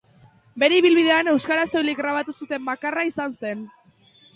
Bere ibilbidean euskaraz soilik grabatu zuten bakarra izan zen.